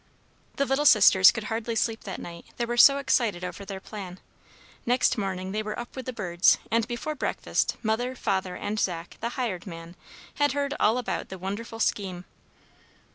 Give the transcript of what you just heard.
The little sisters could hardly sleep that night, they were so excited over their plan. Next morning they were up with the birds; and before breakfast Mother, Father, and Zach, the hired man, had heard all about the wonderful scheme.